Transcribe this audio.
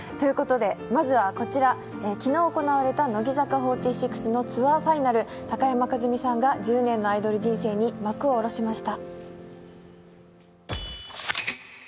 まずはこちら、昨日行われた乃木坂４６のツアーファイナル、高山一実さんが１０年のアイドル人生に幕を下ろしました。